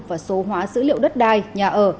và số hóa dữ liệu đất đai nhà ở